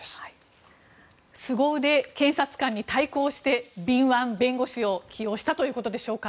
すご腕検察官に対抗して敏腕弁護士を起用したということでしょうか。